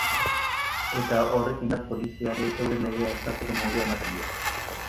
Eta horrek indar polizialei euren legea ezartzeko modua ematen die.